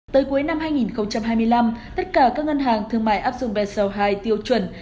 tới cuối năm hai nghìn hai mươi năm tất cả các ngân hàng thương mại áp dụng bseo hai tiêu chuẩn